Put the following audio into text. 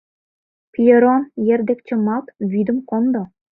— Пьеро, ер дек чымалт, вӱдым кондо.